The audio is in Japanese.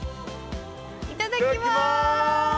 いただきます。